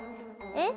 えっ！？